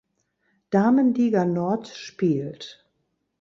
Damenliga Nord spielt.